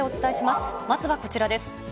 まずはこちらです。